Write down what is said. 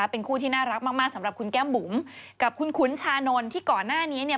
เป็นคู่ที่น่ารักมากสำหรับคุณแก้มบุ๋มกับคุณขุนชานนท์ที่ก่อนหน้านี้เนี่ย